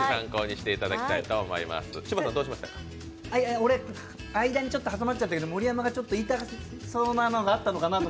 俺、間にちょっと挟まっちゃったけど、盛山がちょっと言いたそうなのあったのかなと。